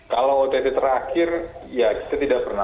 kalau ott terakhir ya kita tidak pernah